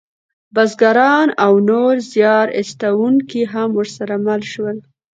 بزګران او نور زیار ایستونکي هم ورسره مل شول.